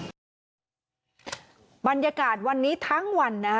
บรรยากาศวันนี้ทั้งวันนะคะ